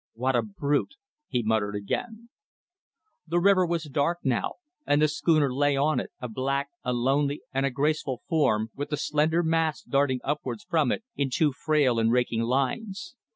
"What a brute!" he muttered again. The river was dark now, and the schooner lay on it, a black, a lonely, and a graceful form, with the slender masts darting upwards from it in two frail and raking lines.